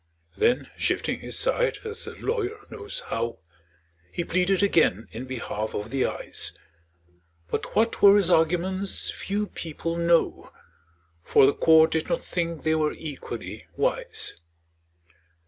Then shifting his side (as a lawyer knows how), He pleaded again in behalf of the Eyes; But what were his arguments few people know, For the court did not think they were equally wise.